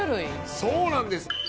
そうなんです。